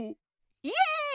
イエーイ